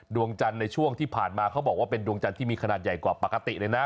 ดวงจันทร์ในช่วงที่ผ่านมาเขาบอกว่าเป็นดวงจันทร์ที่มีขนาดใหญ่กว่าปกติเลยนะ